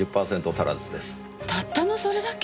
たったのそれだけ？